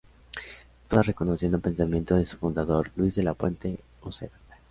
Todas reconociendo pensamiento de su fundador Luis de la Puente Uceda.